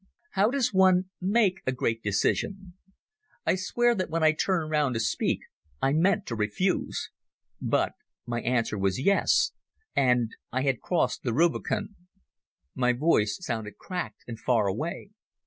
How does one make a great decision? I swear that when I turned round to speak I meant to refuse. But my answer was Yes, and I had crossed the Rubicon. My voice sounded cracked and far away.